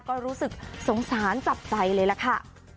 ก็รู้สึกสงสารจับใจเลยล่ะค่ะ